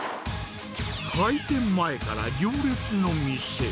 開店前から行列の店。